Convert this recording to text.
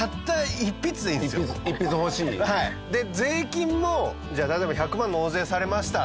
税金もじゃあ例えば１００万納税されました。